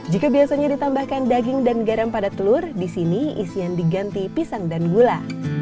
jika biasanya ditambahkan daging dan garam pada telur di sini isian diganti pisang dan gula